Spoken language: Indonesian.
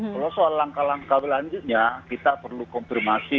kalau soal langkah langkah selanjutnya kita perlu konfirmasi